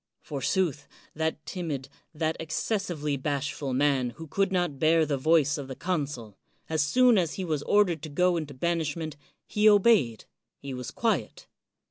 Forsooth, that timid, that excessively bashful man could not bear the voice of the consul ; as soon as he was ordered to go into banishment, he obeyed, he was quiet.